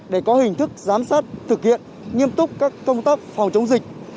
để có hình thức giám sát thực hiện nghiêm túc các công tác phòng chống dịch